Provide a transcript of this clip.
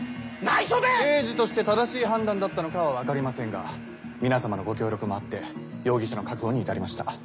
内緒で⁉刑事として正しい判断だったのかは分かりませんが皆さまのご協力もあって容疑者の確保に至りました。